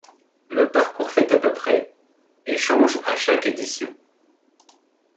Le parcours fait à peu près et change à chaque édition.